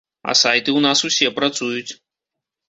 А сайты ў нас усе працуюць.